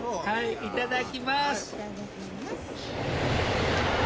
いただきます。